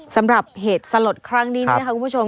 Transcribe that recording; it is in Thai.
สำหรับเหตุสลดครั้งนี้นะครับคุณผู้ชม